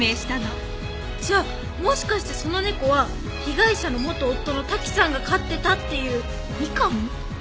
じゃあもしかしてその猫は被害者の元夫の滝さんが飼ってたっていうみかん？